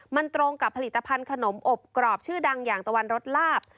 มันตรงกับผลิตภัณฑ์ขนมอบกรอบชื่อดังอย่างตะวันรสลาบ